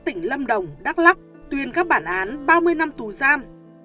tỉnh lâm đồng đắk lắc tuyên các bản án ba mươi năm tù giam